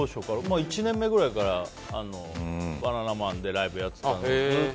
１年目くらいからバナナマンでライブやっててずっと。